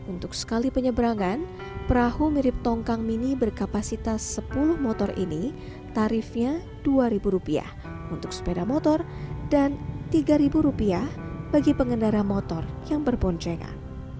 untuk sekali penyeberangan perahu mirip tongkang mini berkapasitas sepuluh motor ini tarifnya rp dua untuk sepeda motor dan rp tiga bagi pengendara motor yang berboncengan